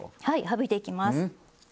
はい省いていきます。